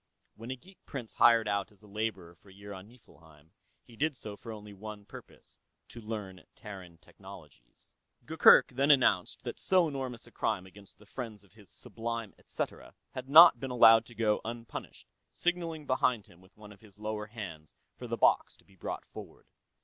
When a geek prince hired out as a laborer for a year on Niflheim, he did so for only one purpose to learn Terran technologies. Gurgurk then announced that so enormous a crime against the friends of His Sublime etcetera had not been allowed to go unpunished, signaling behind him with one of his lower hands for the box to be brought forward.